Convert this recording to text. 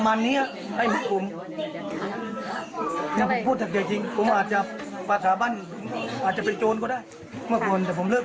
ตอนนี้ก็ผมยังเป็นผู้นำเป็นบัวหน้าค่ายมวยดูแลเด็ก